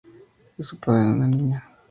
Es padre de una niña.